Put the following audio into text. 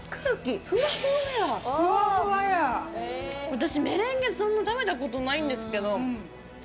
私、メレンゲそんな食べたことないんですけど。